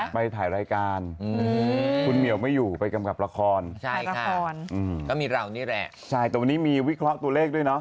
ไปถ่ายรายการคุณเหมาไม่อยู่ไปกำกลับละครใช่ค่ะก็วิเคราะห์ตัวเลขด้วยเนอะ